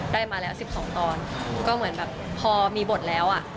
ได้มาแล้ว๑๒ตอนก็เหมือนแบบพอมีบทแล้วอ่ะ